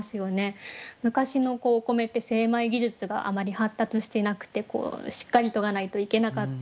昔のお米って精米技術があまり発達していなくてしっかりとがないといけなかった。